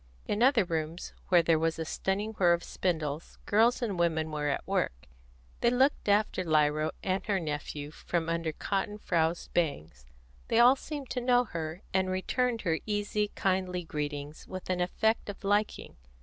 In other rooms, where there was a stunning whir of spindles, girls and women were at work; they looked after Lyra and her nephew from under cotton frowsed bangs; they all seemed to know her, and returned her easy, kindly greetings with an effect of liking.